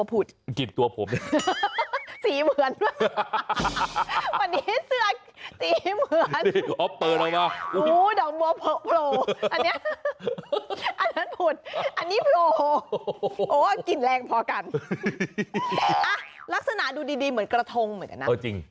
อยู่ดีเหมือนกระทงเหมือนกันนะ